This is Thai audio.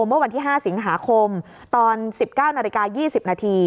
เมื่อวันที่๕สิงหาคมตอน๑๙น๒๐น